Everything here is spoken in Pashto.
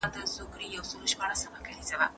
سياسي جريانونه بايد خپلي تاريخي سرچينې وپېژني.